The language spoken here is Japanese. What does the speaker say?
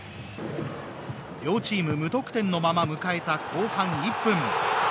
両チーム無得点のまま迎えた後半１分。